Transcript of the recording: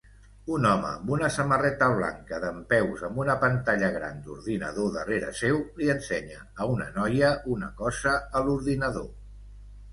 Un home amb una samarreta blanca dempeus amb una pantalla gran d'ordinador darrere seu li ensenya a una noia una cosa a l'ordinador